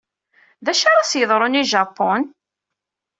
D acu ara as-yeḍrun i Japun?